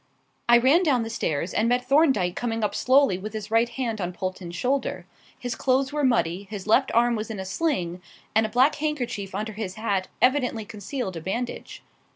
I ran down the stairs and met Thorndyke coming up slowly with his right hand on Polton's shoulder. His clothes were muddy, his left arm was in a sling, and a black handkerchief under his hat evidently concealed a bandage.